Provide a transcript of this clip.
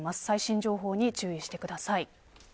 最新情報に注意してください。